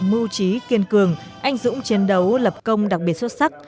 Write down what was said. mưu trí kiên cường anh dũng chiến đấu lập công đặc biệt xuất sắc